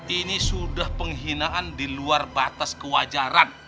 ini sudah penghinaan di luar batas kewajaran